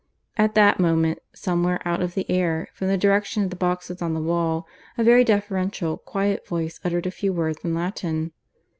At that moment, somewhere out of the air, from the direction of the boxes on the wall, a very deferential, quiet voice uttered a few words in Latin.